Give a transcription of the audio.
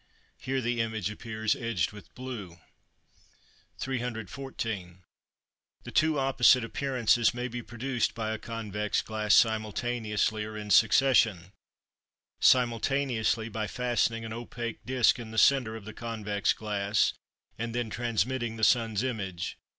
Here the image appears edged with blue. 314. The two opposite appearances may be produced by a convex glass, simultaneously or in succession; simultaneously by fastening an opaque disk in the centre of the convex glass, and then transmitting the sun's image.